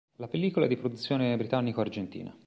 La pellicola è di produzione britannico-argentina.